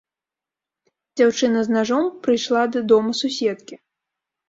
Дзяўчына з нажом прыйшла да дома суседкі.